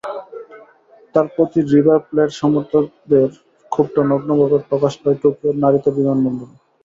তাঁর প্রতি River Plate সমর্থকদের ক্ষোভটা নগ্নভাবে প্রকাশ পায় টোকিওর নারিতা বিমানবন্দরে।